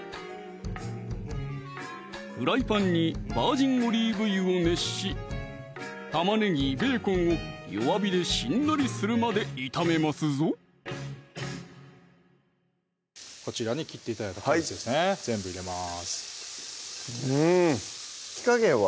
フライパンにバージンオリーブ油を熱し玉ねぎ・ベーコンを弱火でしんなりするまで炒めますぞこちらに切って頂いたキャベツですね全部入れますうん火加減は？